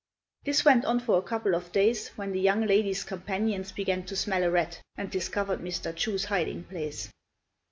This went on for a couple of days, when the young lady's companions began to smell a rat and discovered Mr. Chu's hiding place.